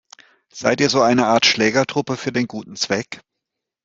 Seid ihr so eine Art Schlägertruppe für den guten Zweck?